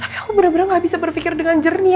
tapi aku bener bener gak bisa berpikir dengan jernih